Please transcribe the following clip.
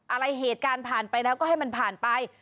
อะไรเหตุการณ์ผ่านไปแล้วก็ให้มันผ่านไป